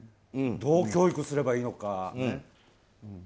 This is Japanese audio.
どう教育すればいいのか。